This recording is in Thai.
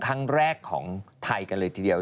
ครั้งแรกของไทยกันเลยทีเดียว